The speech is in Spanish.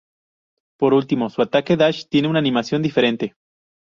Por último, su ataque dash tiene una animación diferente.